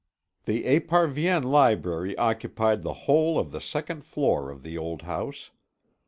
The Esparvienne library occupied the whole of the second floor of the old house.